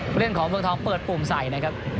เหลื่อนโขมพลงทองเปิดปุ่มใส่นะครับ